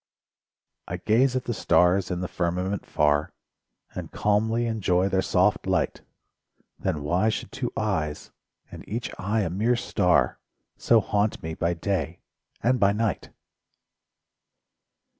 I gaze at the stars in the firmament far And calmly enjoy their soft light. Then why should two eyes, and each eye a mere star, So haunt me by day and by night?